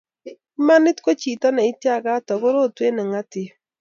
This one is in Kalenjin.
Imanit ko chito ne itiakat ako rotwet ne ngatib